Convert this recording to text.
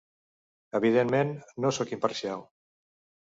Evidentment, no soc imparcial.